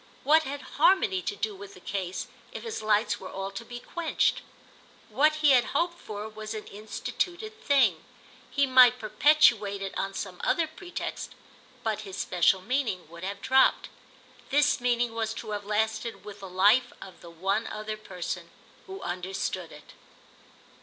What had harmony to do with the case if his lights were all to be quenched? What he had hoped for was an instituted thing. He might perpetuate it on some other pretext, but his special meaning would have dropped. This meaning was to have lasted with the life of the one other person who understood it.